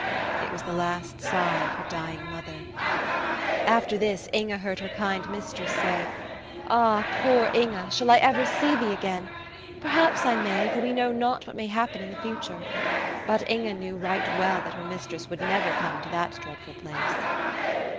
It was the last sigh of her dying mother. After this, Inge heard her kind mistress say, "Ah, poor Inge! shall I ever see thee again? Perhaps I may, for we know not what may happen in the future." But Inge knew right well that her mistress would never come to that dreadful place.